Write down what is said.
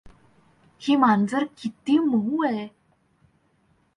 ही मांजर किती मऊ आहे.